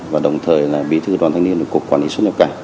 và đồng thời là bí thư đoàn thanh niên cục quản lý xuất nhập cảnh